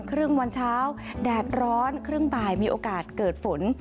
ครึ่งวันเช้าแดดร้อนครึ่งบ่ายมีโอกาสเกิดฝน